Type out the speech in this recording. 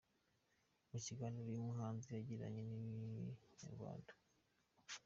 Mu kiganiro uyu muhanzi yagiranye n’Inyarwanda.